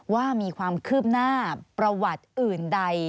ว่ามีความคืบหน้าประวัติอื่นใด